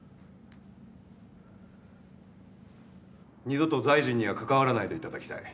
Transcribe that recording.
二度と大臣には関わらないで頂きたい。